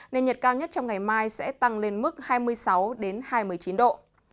nên nhiệt cao nhất trong ngày mai sẽ tăng lên mức hai mươi sáu hai mươi chín độ